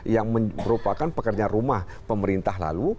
yang merupakan pekerja rumah pemerintah lalu